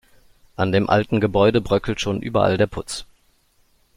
An dem alten Gebäude bröckelt schon überall der Putz.